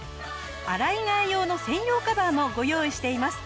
洗い替え用の専用カバーもご用意しています。